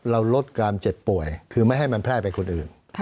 ลดความเจ็บป่วยคือไม่ให้มันแพร่ไปคนอื่น